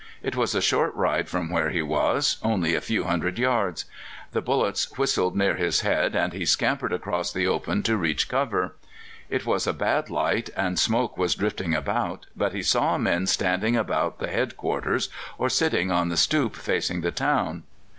It was a short ride from where he was only a few hundred yards. The bullets whistled near his head, and he scampered across the open to reach cover. It was a bad light, and smoke was drifting about, but he saw men standing about the head quarters or sitting on the stoep facing the town.